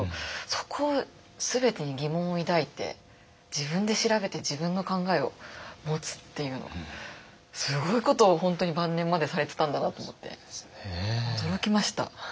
そこを全てに疑問を抱いて自分で調べて自分の考えを持つっていうのがすごいことを本当に晩年までされてたんだなと思って驚きました。